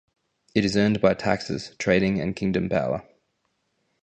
It is earned by taxes, trading and kingdom power.